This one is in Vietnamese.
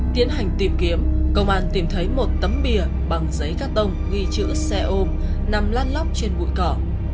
tiến hành tìm kiếm công an tìm thấy một tấm bìa bằng giấy carton ghi chữ xe ôm nằm lan lóc trên bụi cỏ